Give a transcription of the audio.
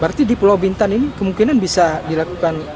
berarti di pulau bintan ini kemungkinan bisa dilakukan